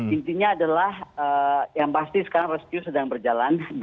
intinya adalah yang pasti sekarang rescue sedang berjalan